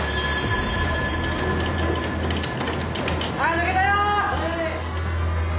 抜けたよ！